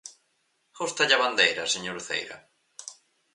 ¿Gústalle a bandeira, señora Uceira?